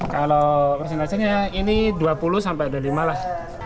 kalau persen persennya ini dua puluh sampai dua puluh lima lah